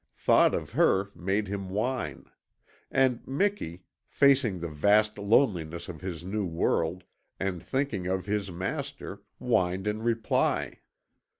Thought of her made him whine. And Miki, facing the vast loneliness of his new world, and thinking of his master, whined in reply.